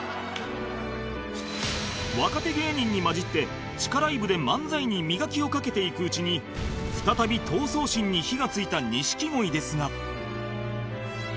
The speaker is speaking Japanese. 若手芸人に交じって地下ライブで漫才に磨きをかけていくうちに再び闘争心に火がついた錦鯉ですが